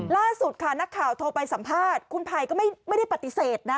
ล่าสุดค่ะนักข่าวโทรไปสัมภาษณ์คุณภัยก็ไม่ได้ปฏิเสธนะ